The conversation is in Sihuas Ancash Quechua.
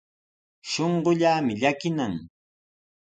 Shuqullaami llakinan.